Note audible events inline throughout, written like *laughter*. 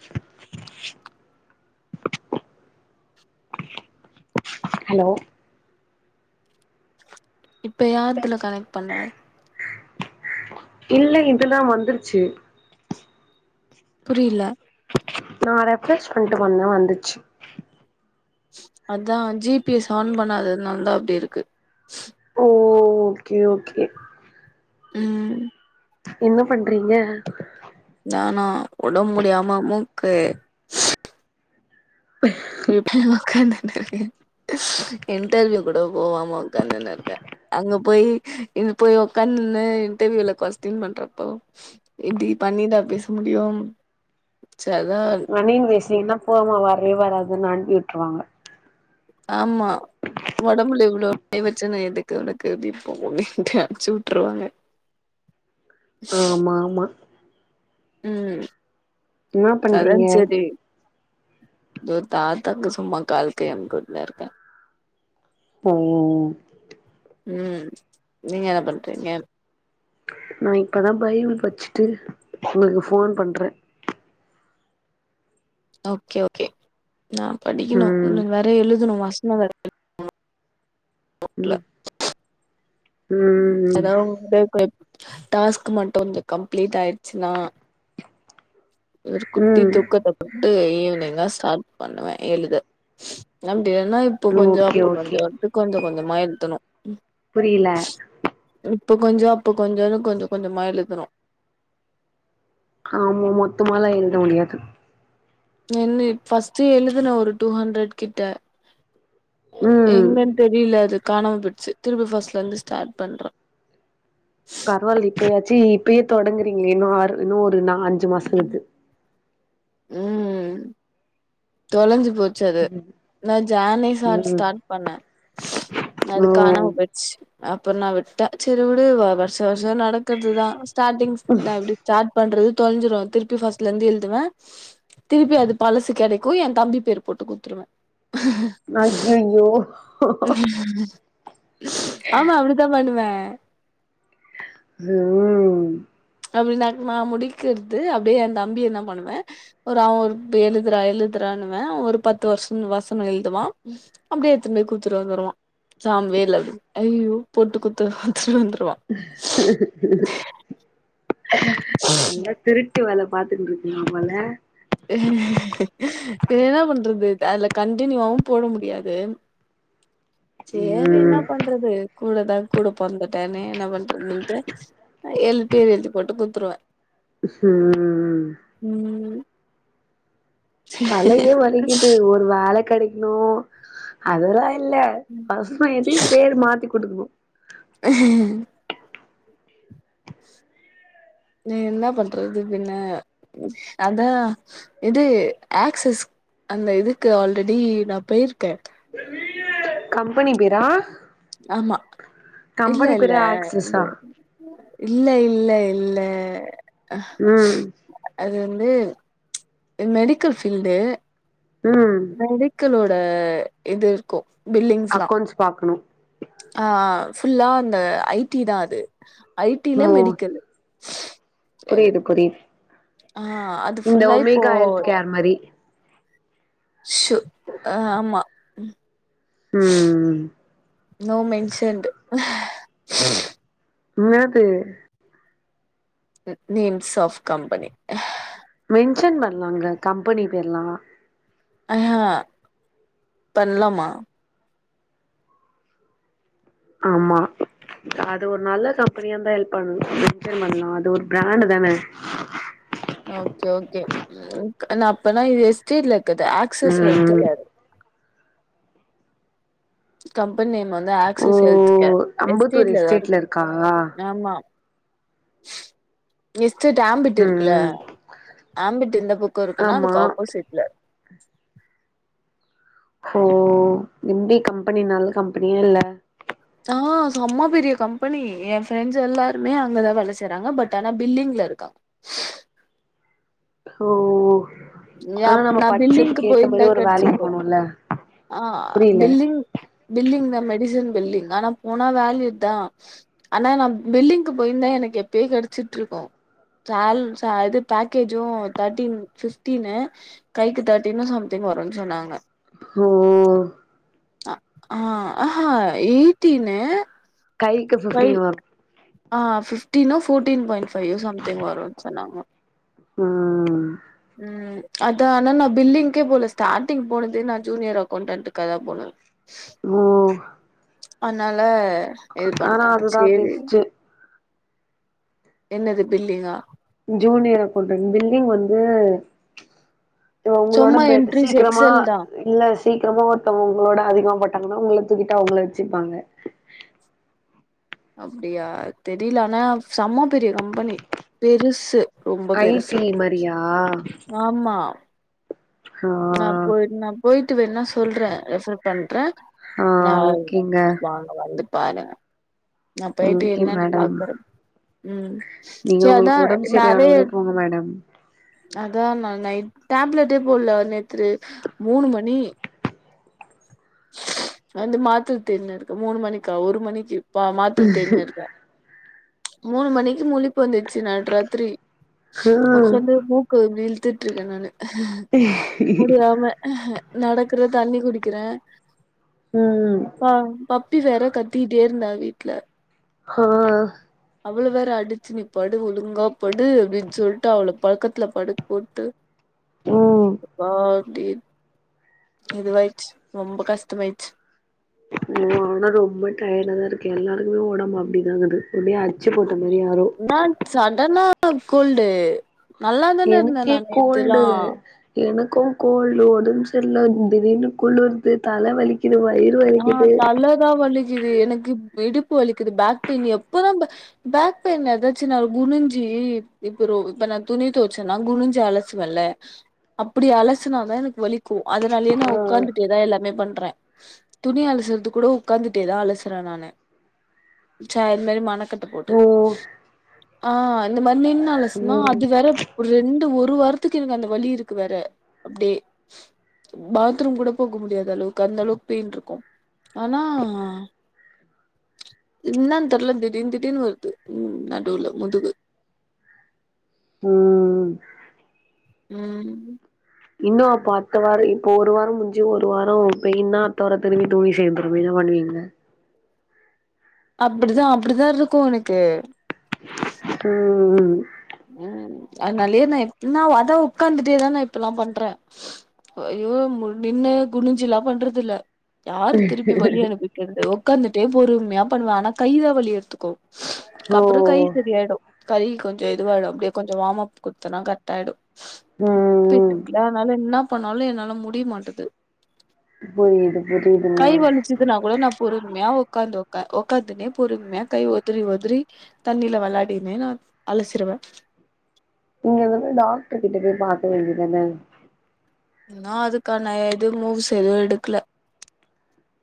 *inaudible* Hello இப்ப யார் இதுல கனெக்ட் பண்ண இல்ல இதல்லா வந்துருச்சு புரியல நான் ரெஃப்ரஸ் பண்ணிட்டு வந்தே வந்துச்சு அதா ஜிபிஎஸ் ஆன் பண்ணாததுனாலதா அப்படி இருக்கு ஓ ஓகே ஓகே ம் என்ன பண்றீங்க நானா உடம்பு முடியாமா மூக்கு ப இப்பே உக்காந்து இருக்கே இன்டர்வியூ கூட போவாம உக்காந்துன்னே இருக்கே அங்க போய் இ போய் உட்காந்து இன்டர்வியூல கொஸ்டின் பண்றப்போ இப்படி பண்ணிதா பேச முடியும் *unintelligible* ஒரே வாராகுனு அனுப்பி விட்டுருவாங்க ஆமா உடம்புல இவ்வளவு *inaudible* எதுக்கு உனக்கு அப்படிண்ட்டு *unintelligible* அனுப்புச்சு விட்டுருவாங்க ஆமா ஆமா ம் என்ன அதா பண்றீங்க செரி தோ தாத்தக்கு சும்மா கால் கை அமுக்கிவிட்டுனு இருக்கே ம் ம் ம் ம் நீங்க என்ன பண்றீங்க நா இப்பதா பைபிள் படிச்சே ட்டு உங்களுக்கு ஃபோன் பண்ணுறே ஓகே ஓகே நா படிக்கணு ம் இவனுங்க வேற எழுதனு வா சின்ன *inaudible* ம் ம் அதா உ *unintelligible* டாஸ்க் மட்டு இந்த் கம்ப்ளீட் ஆயிடுச்சுனா ஒரு குட்டி ம் தூக்கத்த து ஈவ்னிங் தா ஸ்டாட் பண்ணுவே எழுத நம் இல்லனா இப்ப கொஞ்சோ ஓகே அப்ப ஓகே கொஞ்சோட்டு கொஞ்ச கொஞ்சமா எழுதனு புரியல இப்ப கொஞ்சோ அப்ப கொஞ்சோன்னு கொஞ்ச கொஞ்சமா எழுதனு ஆமா மொத்தமாலா எழுத முடியாது என்ன ஃபஸ்ட் எழுதுன ஒரு டூ ஹண்ட்ரட் கிட்ட ம் எங்கன்னு தெரியல அது காணாம போய்டுச்சு திருப்பி ஃபர்ஸ்ட்ல இருந்து ஸ்டார்ட் பண்றே பரவால்ல இப்பயாச்சு இப்பயே தொடங்குறீங்களே இன்னு இன்னு ஒரு நாலு அஞ்சு அஞ்சு மாசலருந்து ம் தொலஞ்சு போ ச்சு அது நா ஜேனி ச ம் ஸ்டார்ட் பண்ணே ஓ அதுக்காணாம போய்ச்சு அப்புற நா விட்ட செரி உடு வருஷ வருஷ் வருசோ நடக்கறது தா ஸ்டாடிங் நா எப்டி ஸ்டாட் பண்றது தொலஞ்சிரு திருப்பி ஃபஸ்ட்ல இருந்து எழுதுவே திருப்பி அது பழசு கெடக் க்கு எ தம்பி பேர் போட்டு குத்துருவே அய்யய்யோ ஆமா அப்டிதா பண்ணுவே ம் அப்டி ந நா முடிக்கிறது அப்டியே அந்த தம்பி என்ன பண்ணுவே ஒரு அவ ஒரு எழுதுறா எழுதுறான்னுவே ஒரு பத்து வருஷோ வசனோ எழுதுவா அப்டியேடுத்துன போய் குத்துட்டு வந்துருவா சோ அவெ வேல அப்டின்னு அய்யய்யோ போட்டு குத்துட்டு வந்துரு *inaudible* நல்லா திரு ட்டு வேல பாத்துகிட்டுருக்கீங்க போல இ என்ன பண்றது அதுல கண்டினியூவாவு போட முடியாது சேரி என்ன ம் பண்றது கூடதா கூட பொறந்துட்டேனே என்ன பண்றதுனுட்டு ஏழு பேர் எழுதி போட்டு குடுத்துருவ ஹ்ம் ம் ம் தலயே வலிக்குது ஒரு வேல கெடைக் னு அதோட இல்ல *unintelligible* எது பேர் மாத்தி குடுக்னு ஹ நி என்ன பண்றது பின்ன அதா இது ஆக்சஸ் அந்த இதுக்கு ஆல்ரெடி நா போயிருக்கே கம்பெனி பேரா ஆமா கம்பெனி இல்லெல்ல பேரு இது ஆக்சிஸா இல்ல இல்ல இல்ல உம் அஹ் ம் அது மெடிக்கல் ஃபீல்டு ம் மெடிக்கலோ த இது இருக்கு பில்லிங்ஸ்லா அக்கௌண்ட்ஸ் பாக்கனு ஆ ஃபுல்லா இந்த ஐ டி தா அது ஐ டி ல ஓ மெடிக்கல்லு அது புரியுது புரியுது ஆ அது இந்த ஃபுல்லா இப்போ ஒமேகா எல்த்து கேர் மாரி ஷு அ ஆமா ம் நோ மென்ஷன்டு ஹ இன்னாக்கு நேம்ஸ் ஆஃப் கம்பெனி மென்ஷன் பண்லாங்க கம்பெனி பேர்லா அஹ பண்லாமா? ஆமா அது ஒரு நல்ல கம்பெனியா இருந்தா ஹெல்ப் பண் மென்ஷன் பண்லா அது ஒரு பிராண்டு தானே ஓகே ஓகே னா அப்பனா இது எஸ்டேல்ல க்கது ஆக்சஸ் ஹெல்த்து ம் கேரு கம்பனி நேம் வந்து ஓ ஆக்ஸஸ் ஹெல்த் கேர் அம்பத்தூர் எஸ்டேட்ல ‌வருது இருக்கா ஆமா எஸ் டேட் ஆம்பிட் ம் இருக்குல ம் ஆம்பிட் இந்த பக்கொ இருக்குனா ஆமா அதுக்கு ஆப்போசிட்ல *inaudible* ஹோ எப்டி கம்பெனி நல்ல கம்பெனியா இல்ல ஆ செம்ம பெரிய கம்பெனி எ ஃப்ரெண்ட்ஸ் எல்லாருமே அங்கதா வேல செய்றாங்க பட் ஆனா பில்லிங்ல இருக்காங்க ஓ ஆனா நம்ம நா பில்லிங்க்கு படிச்சதுக்கு ஏத்த போயிருந்தா மாரி ஒரு வேலைக்கு கெடச்சிருக்கு போனுல்ல ஆ புரில பில்லிங் பில்லிங் நம டிசன் பில்டிங் ஆனா போனா வேல்யூ தா ஆனா நா பில்லிங்க்கு போயிருந்தே எனக்கு எப்போயே கெடச்சிட்ருக்கு பேக்கேஜு தேர்டின் கைக்கு தட்டின்னு சம்திங் வருன்னு சொன்னாங்க ஓ ஆ அஹ எய்டினு கைக்கு ஃபிவ்டீன் வரு ஆ ஃபிப்டீனோ ஃபோர்ட்டீன் பாயிண்ட் ஃபைவ் சம்திங் வரு சொன்னாங்க உம் ம் அத ஆனா நா பில்லிங்கே போல ஸ்டார்டிங் போனதே நா ஜூனியர் அகௌவுண்டன்க்கு தா போனே ஓ அதனால இது ஆனா பண்டாங்க அதுதா சேரி பெஸ்ட்டு என்னது பில்லிங்கா ஜூனியர் அக்கௌடெண்ட் பில்லிங் வந்து இது ஒங்களோட சும்மா பெட் என்ட்ரிஸ் சீக்ரமா எக்ஸல் தா இல்ல சீக்கிரமா ஒருத்தவங்க உங்களோட அதிகமா பன்டாங்கன்னா உங்கள தூக்கிட்டு அவங்கள வச்சிப்பாங்க அப்டியா தெரியல ஆனா செம பெரிய கம்பெனி பெருசு ரொம்ப ஐ டி பெருசு மாரியா ஆமா ஆ நா போயிருந்த போயிட்டு வேணுணா சொல்றே ரெஃபர் பண்றே ஆ நா ஓகேங்க வாங்க வந்து பாருங்க நா போய்ட்டு ஓகே என்னனு மேடம் பாக்குறே உம் நீங்க சரி அதா உங்களுக்கு ஒடம்பு சரியான நெறய உடனே போங்க மேடம் அதா நா நைட் டேப்லெட்டே போடல நேத்து மூனு மணி வந்து மாத்ர தேடினுருக்கே மூனு மணிக்கா ஒரு மணிக்கு ப்ப மாத்ர தேடினு இருக்கே மூனு மணிக்கு முழிப்பு வந்துச்சி நடுராத்திரி ம் மூக்கு நெடி எடுத்ருக்கே நானு முடியாம நடக்க இதுல தண்ணி குடி இருக்குறே உம் பப்பிஸ் வேற கத்திட்டே இருந்தா வீட்ல ஆ அவள வேற அடிச்சு நீ படு ஒழுங்கா படு அப்டின்னு சொல்ட்டு அவள பக்கத்துல படுக்க போட்டு ம் அப்பா *unintelligible* இதுவாயிச்சு ரொம்ப கஷ்டமாயிச்சு ஆனா ரொம்ப டயர்டா தா இருக்கு எல்லாருக்குமே ஒடம்பு அப்டிதாங்க அப்டியே அச்சு மாரி யாரோ என்னானு சண்டன கோல்டு நல்லா தான இருந்தே எனக்கே நா நேத்துலா கோல்டு எனக்கு கோ கோல்டு உடம்பு செரில்ல திடீர்னு குலுர்து தல வலிக்குது இது வயிறு ஆ வலிக்குது தலதா வலிக்குது எனக்கு இடுப்பு வலிக்குது பேக் பெயின் எப்பதா பேக் பெயின் ஏதாச்சு நா குனுஞ்சி இப்ப இப்ப நா துணி துவச்சேன்னா குனுஞ்சி அலசு வல்ல அப்டி அலசுனாதா எனக்கு வலிக்கு அதனாலயே நா ஆ ஒக்காந்துட்டேதா எல்லாமே பண் ண்றே துணி அலசுறது கூட உட்காந்துட்டே தா அலசுறே நானு சேர் மாரி க்கத்து போட்டு ஓ ஆ இந்த மாரி நின்லசுனா ம் அது வேற ரெண்டு ஒரு வாரத்துக்கு எனக்கு அந்த வழி இருக்கு வேற அப்டியே பாத்ரூம் கூட போக முடியாத அளவுக்கு அந்த அளவுக்கு பெயின் இருக்கு ஆனா இன்னனு தெர்ல திடீர்னு திடீர்னு வருது உ நடுவுல முதுகு உம் உம் இன்னு அப்ப அடுத்த வார இப்ப ஒரு வாரம் முடிஞ்சு ஒரு வார பெயின்னா அடுத்த வார திரும்பி துணி சேர்ந்துடு என்ன பண்ணுவீங்க அப்டிதா அப்டிதா இருக்கு உனக்கு ம் உம் உம் அதனாலயே நா நா ஆத உக்காந்துட்டேதா நா இப்பல்லா பண்றே ஐயோ நின்னு குனுஞ்சு எல்லா பண்றது இல்ல யாரு திருப்பி வலிய அனுப்பிக்கறது உட்காந்துட்டே பொறுமையா பன்னுவே ஆனா கைதா வலி எடுத்துக்கு க்ஸ் ஓ அப்றோ கை சரியாயிடு கை கொஞ் கொஞ்சோ இதுவாகிடு அப்டியே கொஞ்சோ வாம்அப் குடுத்தன கரெக் ஆகிடு ம் ம் ப்பட்டுக்கல அதனால என்ன போனாலும் என்னால முடிய மாட்டது புரியுது புரியுதுங்க கை வலிச்சதுனா கூட நா பொறுமையா உக்காந்து உக்காந்துனே பொறுமைய கை ஒதிரி ஒதிரி தண்ணில விளாடினே ந அலசிருவன் நீங்க வந்து டாக்டர் கிட்ட போய் பாக்க வேண்டியதானே நா அதுக்கான இது மூவ்ஸ் எதுவும் எடுக்கல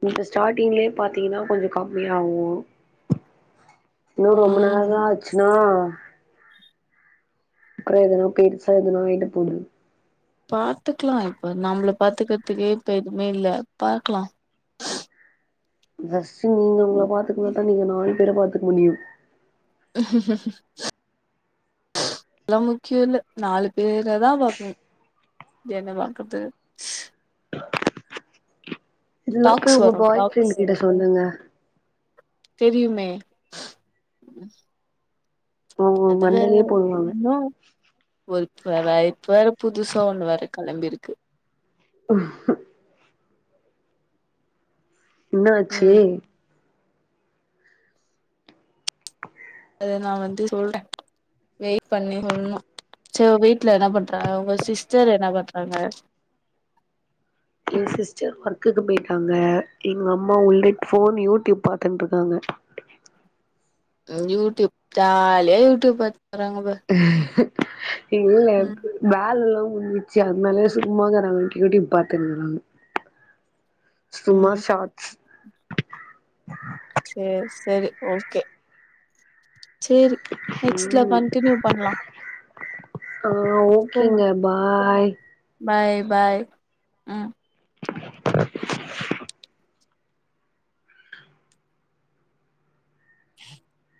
இப்ப ஸ்டார்ட்டிங்லயே பாத்தீங்கன்னா கொஞ்சம் கம்மியாகும் இன்னும் ரொம்ப நேரம் ம் ஆச்சுன்னா அப்றோ ஏதனோ பெருசா ஏதனோ ஆயிட போது பாத்துக்கலாம் இப்ப நம்மள பாத்துக்கிறதுக்கு இப்ப எதுவுமே இல்ல பாக்கலாம் *unintelligible* நீங்க அவங்கள பாத்துக்க மாட்டாங்க இங்க நாய் பேற பாத்துக்க முடியும் *inaudible* எல்லாம முக்கியம் இல்ல நாலு பேற தா பாக்கணும் என்ன பாக்குறது இல்லங்க டாக்ஸ் உங்க வரு பாய் டாக்ஸ் ஃப்ரெண்ட் கிட்ட சொல்லுங்க தெரியுமே அவங்க அதுல மண்டைலயே போடுவாங்க ம் இப்ப வேற புதுசா ஒன்னு வருது களம்பிருக்கு *inaudible* என்னாச்சி ம் அத நா வந்து சொல்றேன் வெயிட் பண்ணி சொல்லணும் சரி வீட்டுல என்ன பண்றாங்க உங்க சிஸ்டர் என்ன பண்றாங்க எங்க சிஸ்டர் ஒர்க்குக்கு போயிட்டாங்க எங்க அம்மா உள்ள போன் யூடியூப் பாத்துட்டு இருக்காங்க யூடூப் ஜாலியா யூடூப் பாத் அஹ் ம் இல்லயிருக்கு பேக் லாம் ம் அது மேலயே சும்மா இருக்காங்க யூடூப் பாத்தின்னு இருங்காங்க சும்மா ம் ஷாட்ஸ் *inaudible* செரி செரி ஓகே சேரி நெக்ஸ்ட்ல ம் கண்டினியூ பண்லா ஆ போங்க ஓகேங்க பாய் பாய் பாய் ம் *inaudible* *inaudible*